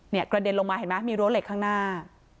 เนี่ยกระเด็นลงมาเห็นมั้ยมีรั้วเหล็กข้างหน้า